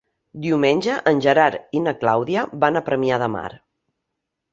Diumenge en Gerard i na Clàudia van a Premià de Mar.